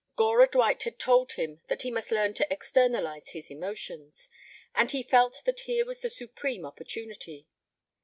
Gora Dwight had told him that he must learn to "externalize his emotions," and he felt that here was the supreme opportunity.